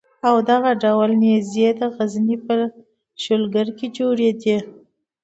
او دغه ډول نېزې به د غزني په شلګر کې جوړېدې.